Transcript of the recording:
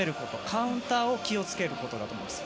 カウンターを気をつけることだと思います。